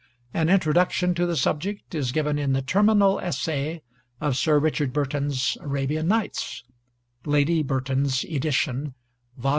An introduction to the subject is given in the Terminal Essay of Sir Richard Burton's 'Arabian Nights' (Lady Burton's edition, Vol.